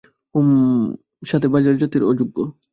হুম, সাথে বাজারজাতের অযোগ্য।